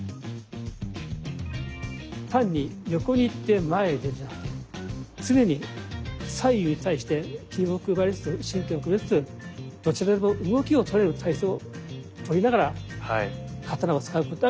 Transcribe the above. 単に横に行って前へ出るんじゃなくて常に左右に対して気を配りつつ神経を配りつつどちらにも動きを取れる体勢をとりながら刀を使うこと。